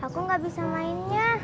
aku gak bisa mainnya